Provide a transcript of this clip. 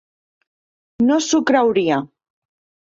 No s'ho creuria.